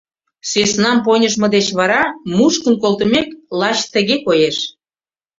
Сӧснам поньыжмо деч вара, мушкын колтымек, лач тыге коеш.